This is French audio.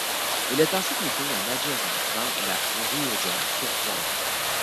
Il est ensuite muté à Nájera, dans La Rioja, pour trois ans.